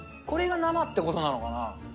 これが生ってことなのかな。